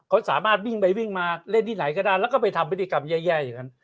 เขาสามารถวิ่งไปวิ่งมาเล่นที่ไหนก็ได้แล้วก็ไปทำพฤติกรรมแย่อย่างนั้น